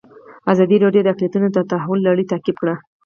ازادي راډیو د اقلیتونه د تحول لړۍ تعقیب کړې.